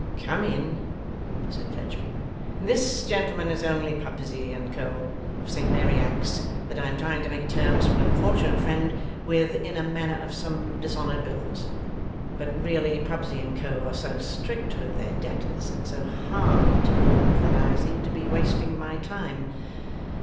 'Come in!' said Fledgeby. 'This gentleman is only Pubsey and Co. of Saint Mary Axe, that I am trying to make terms for an unfortunate friend with in a matter of some dishonoured bills. But really Pubsey and Co. are so strict with their debtors, and so hard to move, that I seem to be wasting my time.